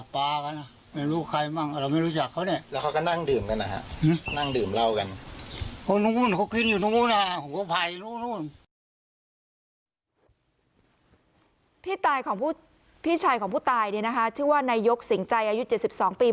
พี่ชายของผู้ตายด้วยนะคะชื่อว่านายกสิห์งใจอายุเจ็บสิบสองปี